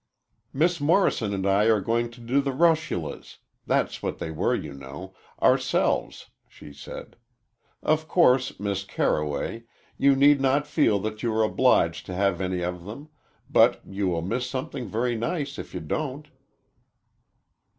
"Miss Morrison and I are going to do the russulas that's what they were, you know ourselves," she said. "Of course, Miss Carroway, you need not feel that you are obliged to have any of them, but you will miss something very nice if you don't."